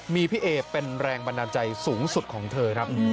มีพี่เอเป็นแรงบันดาลใจสูงสุดของเธอครับ